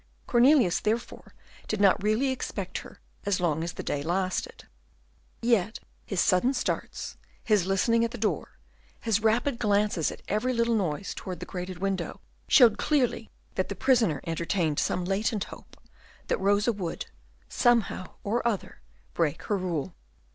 Cornelius therefore did not really expect her as long as the day lasted. Yet his sudden starts, his listening at the door, his rapid glances at every little noise towards the grated window, showed clearly that the prisoner entertained some latent hope that Rosa would, somehow or other, break her rule.